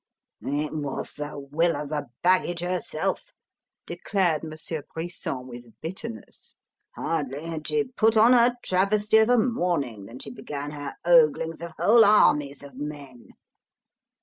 "It was the will of the baggage herself!" declared Monsieur Brisson with bitterness. "Hardly had she put on her travesty of a mourning than she began her oglings of whole armies of men!"